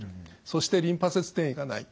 そしてリンパ節転移がない。